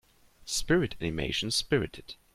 Spirit animation Spirited.